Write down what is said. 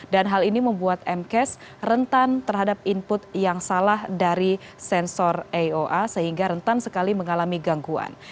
dan hal ini membuat mcas rentan terhadap input yang salah dari sensor aoa sehingga rentan sekali mengalami gangguan